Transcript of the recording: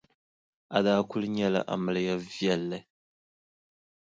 A daa kuli nyɛla amiliya viɛlli.